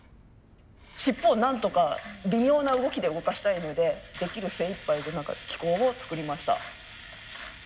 尻尾をなんとか微妙な動きで動かしたいのでできる精いっぱいで機構を作りました。